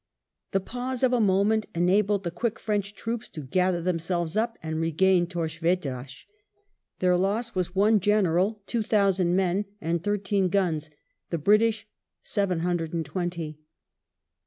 The pause of a moment enabled the quick French troops to gather themselves up and regain Torres Vedraa Their loss was one general, two thousand men, and thirteen guns ; the British, seven hundred and twenty.